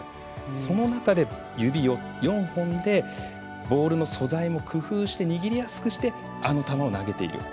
その中で、指４本でボールの素材も工夫して握りやすくしてあの球を投げている。